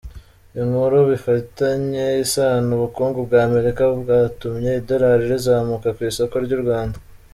Inkuru bifitanye isano: Ubukungu bwa Amerika bwatumye idorali rizamuka ku isoko ry’u Rwanda.